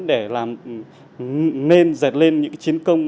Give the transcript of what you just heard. để làm nên dẹt lên những chiến công